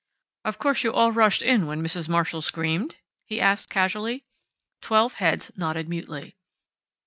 "Of course you all rushed in when Mrs. Marshall screamed?" he asked casually. Twelve heads nodded mutely.